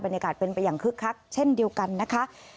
บรรยากาศเป็นไปอย่างคึกคักเช่นเดียวกันนะคะ